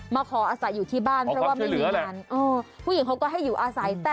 เขาขออาศัยอยู่ที่บ้านเพราะมีอีนะ